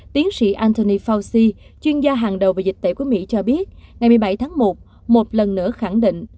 tiến sĩ antony fauci chuyên gia hàng đầu về dịch tễ của mỹ cho biết ngày một mươi bảy tháng một một lần nữa khẳng định